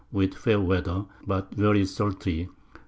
with fair Weather, but very sultry.